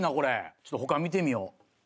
ちょっと他見てみよう。